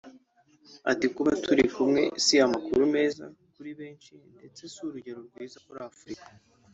Ati“Kuba turi umwe si amakuru meza kuri benshi ndetse si urugero rwiza kuri Africa